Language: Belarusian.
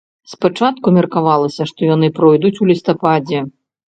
Спачатку меркавалася, што яны пройдуць у лістападзе.